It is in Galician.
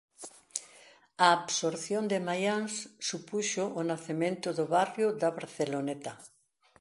A absorción de Maians supuxo o nacemento do barrio da Barceloneta.